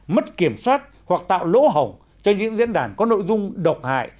mất kiểm soát hoặc tạo lỗ hổng cho những diễn đàn có nội dung độc hại